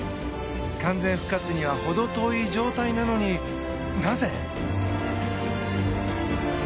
完全復活には程遠い状態なのに、なぜ？